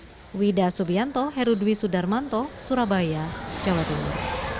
dan ramahnya pembiayaan wida subianto herudwi sudarmanto surabaya jawa tengah